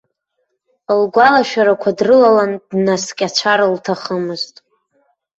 Лгәалашәарақәа дрылалан, днаскьацәар лҭахымызт.